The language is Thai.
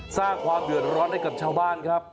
สร้างความเดือดร้อนให้กับชาวบ้านครับ